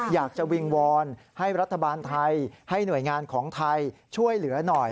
อยากจะวิงวอนให้รัฐบาลไทยให้หน่วยงานของไทยช่วยเหลือหน่อย